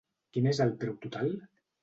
Quin és el preu total?